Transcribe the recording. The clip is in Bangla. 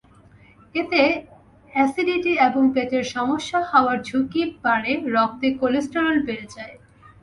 এতে অ্যাসিডিটি এবং পেটের সমস্যা হওয়ার ঝুঁকি বাড়ে, রক্তে কোলেস্টেরল বেড়ে যায়।